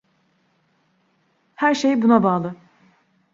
Her şey buna bağlı.